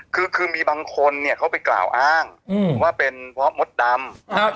คือคือมีบางคนเนี่ยเขาไปกล่าวอ้างว่าเป็นเพราะมดดำ